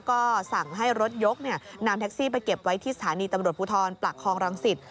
ก็สั่งให้รถยกนำแท็กซี่ไปเก็บไว้ที่สถานีตำรวจภูทรปากคลองรังสิต